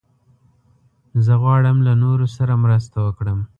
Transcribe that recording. زه غواړم له نورو سره مرسته وکړم.